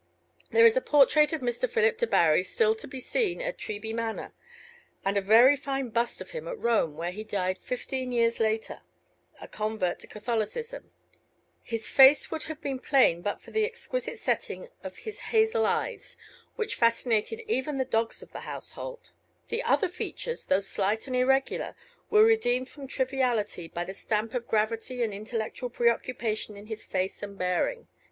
There is a portrait of Mr. Philip Debarry still to be seen at Treby Manor, and a very fine bust of him at Rome, where he died fifteen years later, a convert to Catholicism. His face would have been plain but for the exquisite setting of his hazel eyes, which fascinated even the dogs of the household. The other features, though slight and irregular, were redeemed from triviality by the stamp of gravity and intellectual preoccupation in his face and bearing.